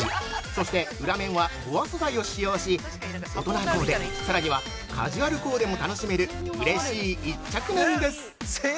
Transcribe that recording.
そして、裏面はボア素材を使用し、大人コーデ、さらには、カジュアルコーデも楽しめる、うれしい一着なんです。